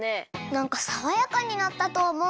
なんかさわやかになったとおもう。